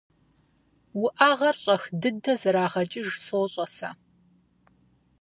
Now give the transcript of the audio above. УӀэгъэр щӀэх дыдэ зэрагъэкӀыж сощӀэ сэ.